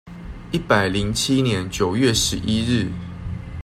一百零七年九月十一日